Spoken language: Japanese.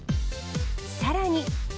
さらに。